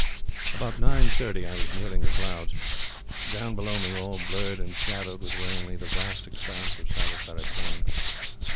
"About nine thirty I was nearing the clouds. Down below me, all blurred and shadowed with rain, lay the vast expanse of Salisbury Plain.